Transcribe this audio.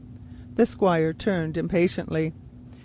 The Squire turned impatiently.